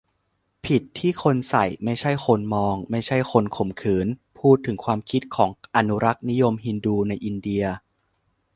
ผิดที่คนใส่ ไม่ใช่คนมอง ไม่ใช่คนข่มขืน - พูดถึงความคิดของ อนุรักษ์นิยมฮินดู ในอินเดีย